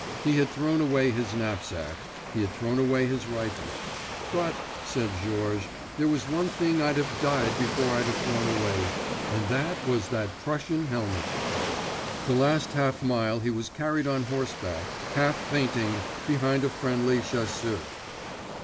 He had thrown away his knapsack, he had thrown away his rifle. "But," said Georges, "there was one thing I'd have died before I'd have thrown away—and that was that Prussian helmet!" The last half mile he was carried on horseback, half fainting, behind a friendly chasseur.